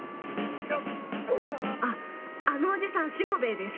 あっあのおじさんしもべえです。